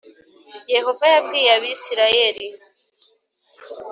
Yehova yabwiye Abisirayeli.